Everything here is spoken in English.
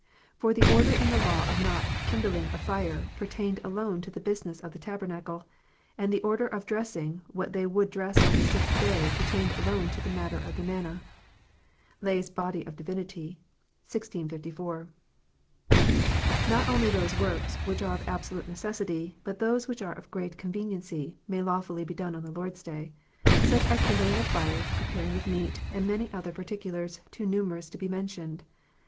For the order in the law of not kindling a fire pertained alone to the business of the tabernacle, and that order of dressing what they would dress on the sixth day pertained alone to the matter of manna." Leigh s Body of Divinity. 1654. " Not only those works which are of absolute necessity, but those which are of great conveniency, may lawfully be done on the Lord s Day : such are kindling of fire, preparing of meat, and many other particulars too numerous to be mentioned.